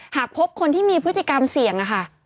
หากพบคนที่มีพฤติกรรมเสี่ยงอะค่ะ